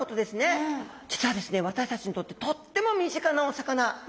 私たちにとってとっても身近なお魚。